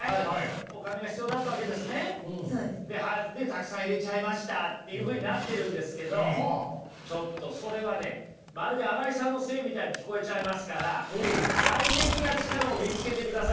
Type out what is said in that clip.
お金が必要だったわけですね？でたくさん入れちゃいましたっていうふうになってるんですけどちょっとそれはねまるで新井さんのせいみたいに聞こえちゃいますから外的な力を見つけてください。